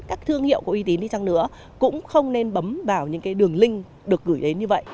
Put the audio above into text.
các thương hiệu có uy tín đi chăng nữa cũng không nên bấm vào những cái đường link được gửi đến như vậy